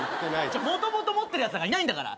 もともと持ってるやつなんかいないんだから。